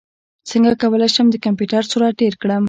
څنګه کولی شم د کمپیوټر سرعت ډېر کړم